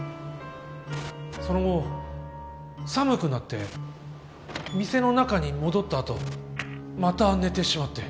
その後寒くなって店の中に戻った後また寝てしまって。